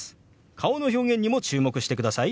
顔の表現にも注目してください。